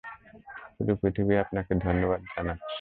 পুরো পৃথিবী আপনাকে ধন্যবাদ জানাচ্ছে!